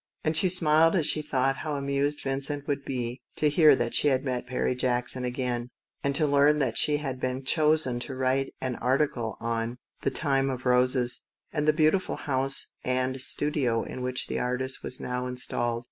191 And she smiled as she thought how amused Vincent would be to hear that she had met Perry Jackson again, and to learn that she had been chosen to write an article in Ilhis tirationa on "The Time of Roses," and the beautiful house and studio in which the artist was now installed.